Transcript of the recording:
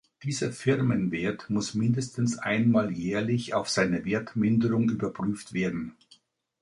Dieser Firmenwert muss mindestens einmal jährlich auf seine Wertminderung überprüft werden.